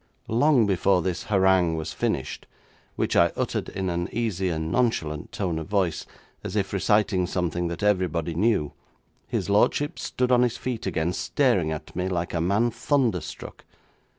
Long before this harangue was finished, which I uttered in an easy and nonchalant tone of voice, as if reciting something that everybody knew, his lordship stood on his feet again, staring at me like a man thunderstruck.